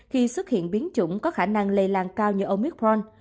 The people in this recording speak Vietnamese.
khi xuất hiện biến chủng có khả năng lây lan cao như omicron